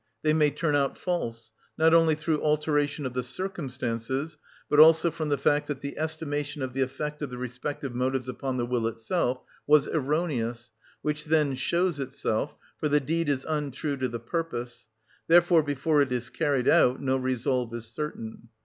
They may turn out false, not only through alteration of the circumstances, but also from the fact that the estimation of the effect of the respective motives upon the will itself was erroneous, which then shows itself, for the deed is untrue to the purpose: therefore before it is carried out no resolve is certain.